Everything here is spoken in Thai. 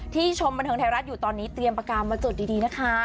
ชมบันเทิงไทยรัฐอยู่ตอนนี้เตรียมประกาศมาจดดีนะคะ